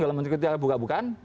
dalam mencukupi buka bukaan